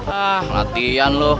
ah latihan lu